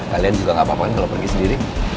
kalian juga gak apa apa nih kalau pergi sendiri